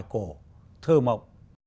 và cổ thơ mộng